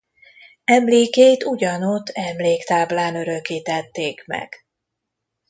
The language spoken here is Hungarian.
Emlékét ugyanott emléktáblán örökítették meg.